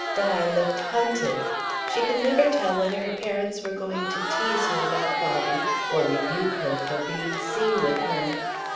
Di looked hunted. She could never tell whether her parents were going to tease her about Bobby, or rebuke her for being seen with him.